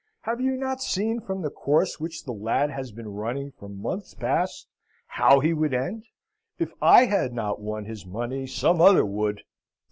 Have you not seen, from the course which the lad has been running for months past, how he would end? If I had not won his money, some other would?